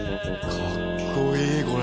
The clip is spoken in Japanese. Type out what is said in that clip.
かっこいいこれ。